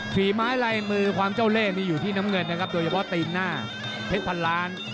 ฝีไม้ลายมือความเจ้าเล่นี่อยู่ที่น้ำเงินนะครับโดยเฉพาะตีนหน้าเพชรพันล้าน